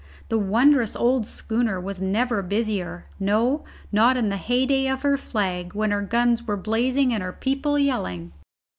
The wondrous old schooner was never busier, no, not in the heyday of her flag, when her guns were blazing and her people yelling.